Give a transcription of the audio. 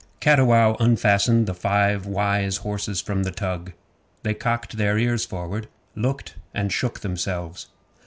Cattiwow unfastened the five wise horses from the tug. They cocked their ears forward, looked, and shook themselves.